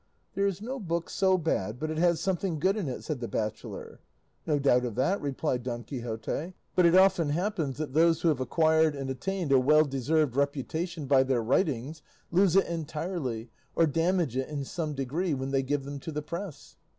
"There is no book so bad but it has something good in it," said the bachelor. "No doubt of that," replied Don Quixote; "but it often happens that those who have acquired and attained a well deserved reputation by their writings, lose it entirely, or damage it in some degree, when they give them to the press."